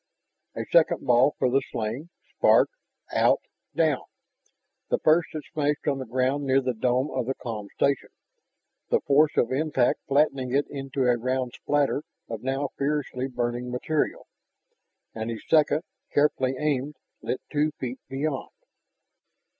A second ball for the sling spark ... out ... down. The first had smashed on the ground near the dome of the com station, the force of impact flattening it into a round splatter of now fiercely burning material. And his second, carefully aimed, lit two feet beyond.